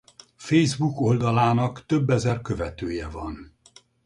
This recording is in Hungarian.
Facebook oldalának több ezer követője van.